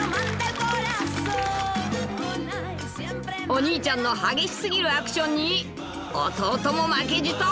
［お兄ちゃんの激しすぎるアクションに弟も負けじと］